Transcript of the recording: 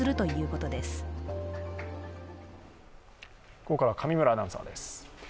ここからは上村アナウンサーです。